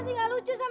jangan lu jangan